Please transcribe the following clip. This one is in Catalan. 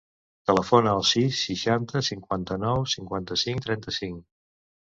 Telefona al sis, seixanta, cinquanta-nou, cinquanta-cinc, trenta-cinc.